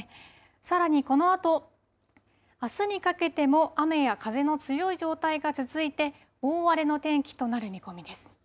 さらにこのあと、あすにかけても雨や風の強い状態が続いて、大荒れの天気となる見込みです。